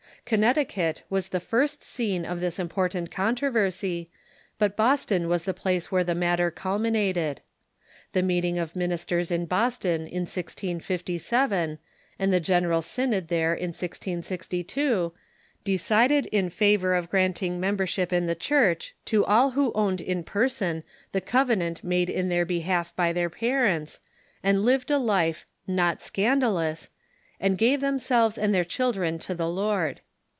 Connecticut was the first scene of this important controversy, but Boston was the place where the matter culminated. The meeting of ministers in Boston in 1657, and the General Synod there in 1662, decided in favor of granting membership in the Church to all who owned in person the covenant made in their behalf by their parents, and led a life " not scandalous," and gave themselves and their children to the Lord.